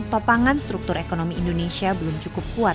topangan struktur ekonomi indonesia belum cukup kuat